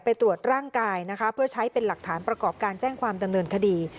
ตรวจร่างกายนะคะเพื่อใช้เป็นหลักฐานประกอบการแจ้งความดำเนินคดี